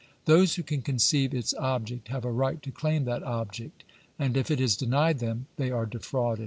Those who can conceive its object have a right to claim that object, and if it is denied them, they are defrauded.